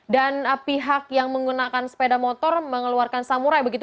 dan pihak yang menggunakan sepeda motor mengeluarkan samurai begitu